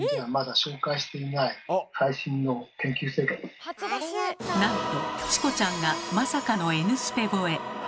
ここから先はなんと「チコちゃん」がまさかの「Ｎスペ」越え！